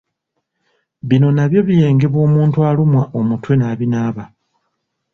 Bino nabyo biyengebwa omuntu alumwa omutwe n'abinaaba